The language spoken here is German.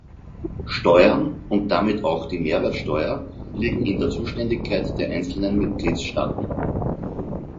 Steuern, und damit auch die Mehrwertsteuer, liegen in der Zuständigkeit der einzelnen Mitgliedstaaten.